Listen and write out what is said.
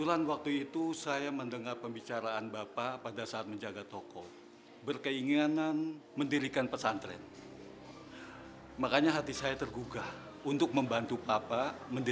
allah akan membalas segala kebaikan dan kemuran hati pak budi